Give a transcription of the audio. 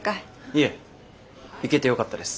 いえ行けてよかったです。